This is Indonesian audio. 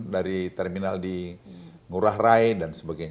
dari terminal di ngurah rai dan sebagainya